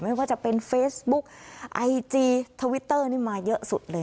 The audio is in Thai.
ไม่ว่าจะเป็นเฟซบุ๊กไอจีทวิตเตอร์นี่มาเยอะสุดเลย